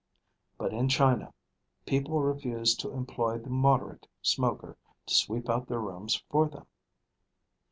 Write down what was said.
But in China people refuse to employ the moderate smoker to sweep out their rooms for them.